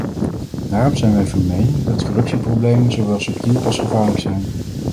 Daarom zijn wij van mening dat corruptieproblemen zowel subtiel als gevaarlijk zijn.